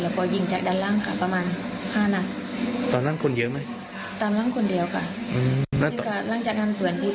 แล้วก็ยิงจากด้านหลังประมาณ๕นาที